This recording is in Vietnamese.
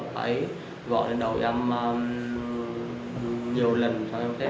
phải gọi lên đầu em nhiều lần sau đó em thấy đau